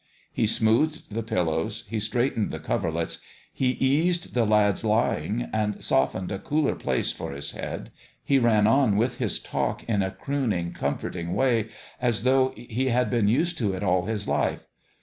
He smoothed the pil lows, he straightened the coverlets, he eased the lad's lying and softened a cooler place for his head, he ran on with his talk in a crooning, com forting way, as though he had been used to it all 322 THE END OF THE GAME his life.